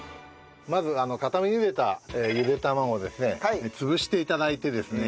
まず固めに茹でたゆで卵をですね潰して頂いてですね。